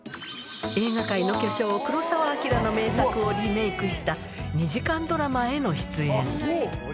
映画界の巨匠、黒澤明の名作をリメークした２時間ドラマへの出演。